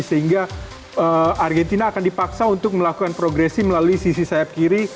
sehingga argentina akan dipaksa untuk melakukan progresi melalui sisi sayap kiri